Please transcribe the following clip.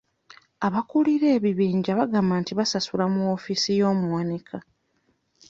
Abakulira ebibiinja bagamba nti baasasula mu woofiisi y'omuwanika.